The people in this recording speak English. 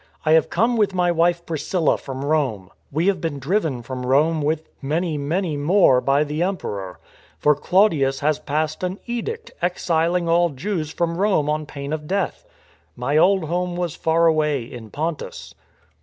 " I have come with my wife Priscilla from Rome. We have been driven from Rome with many, many more by the Emperor. For Claudius has passed an edict exiling all Jews from THE CHALLENGE TO CORINTH 227 Rome on pain of death. My old home was far away in Pontus."